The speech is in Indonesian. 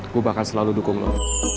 gue bakal selalu dukung lo